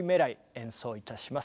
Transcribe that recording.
演奏いたします。